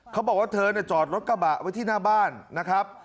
เขาบอกว่าเธอจอดรถกระบะไว้ที่หน้าบ้านนะครับ